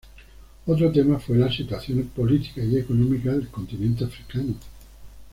Otra tema fue la situación política y económica del continente africano.